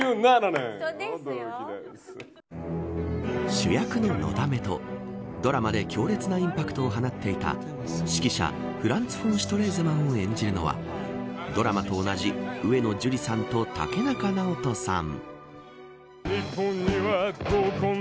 主役ののだめとドラマで強烈なインパクトを放っていた指揮者フランツ・フォン・シュトレーゼマンを演じるのはドラマと同じ上野樹里さんと竹中直人さん。